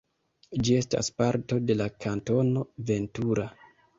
Ĝi estas parto de la Kantono Ventura.